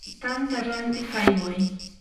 tanta rantiq ayway.